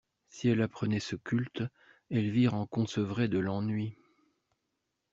Si elle apprenait ce culte, Elvire en concevrait de l'ennui.